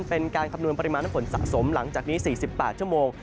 เป็นการคำนวณปริมาณน้ำฝนสะสมหลังจากนี้๔๘ชั่วโมง